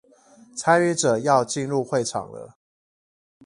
參與者要進入會場了